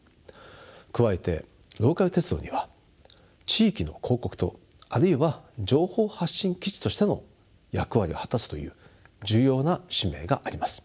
加えてローカル鉄道には地域の広告塔あるいは情報発信基地としての役割を果たすという重要な使命があります。